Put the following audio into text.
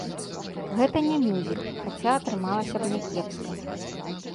Гэта не мюзікл, хаця атрымалася б някепска.